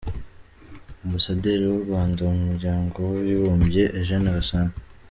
Ambasaderi w’u Rwanda mu muryango w’abibumbye Eugène Gasana